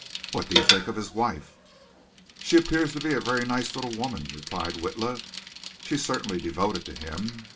What do you think of his wife?" "She appears to be a very nice little woman," replied Witla. "She's certainly devoted to him.